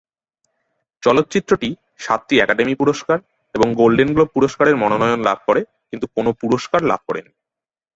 চলচ্চিত্রটি সাতটি একাডেমি পুরস্কার এবং গোল্ডেন গ্লোব পুরস্কারের মনোনয়ন লাভ করে, কিন্তু কোন পুরস্কার লাভ করে নি।